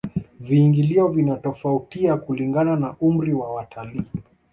viingilio vinatofautia kulingana na umri wa watalii